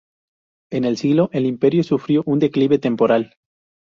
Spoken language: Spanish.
En el siglo el imperio sufrió un declive temporal.